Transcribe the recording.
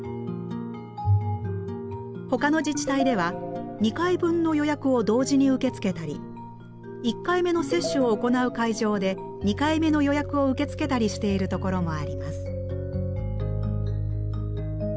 ほかの自治体では２回分の予約を同時に受け付けたり１回目の接種を行う会場で２回目の予約を受け付けたりしているところもあります。